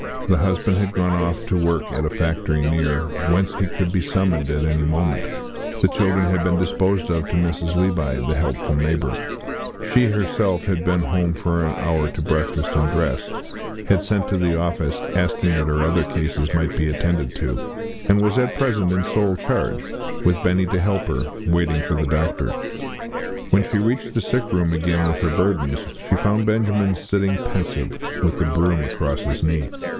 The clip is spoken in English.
The husband had gone off to work at a factory near, whence he could be summoned at any moment; the children had been disposed of to Mrs. Levi, the helpful neighbour; she herself had been home for an hour to breakfast and dress, had sent to the office asking that her other cases might be attended to, and was at present in sole charge, with Benny to help her, waiting for the doctor. When she reached the sick room again with her burdens, she found Benjamin sitting pensive, with the broom across his knees.